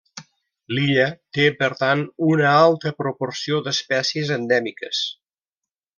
L'illa té, per tant, una alta proporció d'espècies endèmiques.